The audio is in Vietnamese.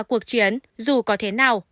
cuộc chiến dù có thế nào